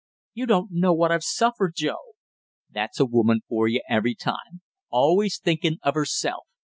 "You don't know what I've suffered, Joe!" "That's a woman for you every time always thinkin' of herself!